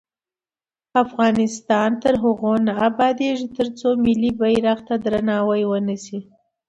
افغانستان تر هغو نه ابادیږي، ترڅو ملي بیرغ ته درناوی ونشي.